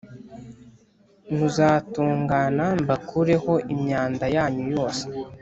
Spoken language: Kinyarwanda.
Muzatungana mbakureho imyanda yanyu yose